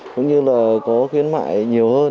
cũng như là có khuyến mại nhiều hơn